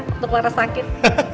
waktu clara sakit